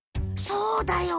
そうだよ。